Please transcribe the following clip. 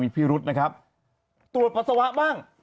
มีพิรุษนะครับตรวจปศวะบ้าง